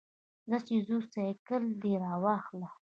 ځه چې ځو، سایکل دې راواخله.